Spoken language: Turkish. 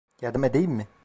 Yardım edeyim mi?